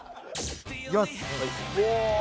いきます。